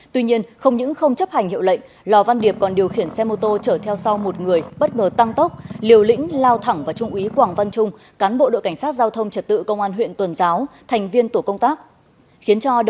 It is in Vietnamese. tuy nhiên không những không chấp hành hiệu lệnh lò văn điệp còn điều khiển xe mô tô chở theo sau một người bất ngờ tăng tốc liều lĩnh lao thẳng vào trung úy quảng văn trung cán bộ đội cảnh sát giao thông trật tự công an huyện tuần giáo thành viên tổ công tác